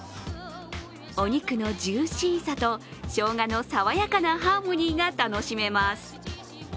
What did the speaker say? お肉のジューシーさとショウガの爽やかなハーモニーが楽しめます。